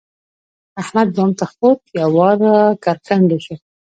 احمد بام ته خوت؛ یو وار را کرکنډه شو.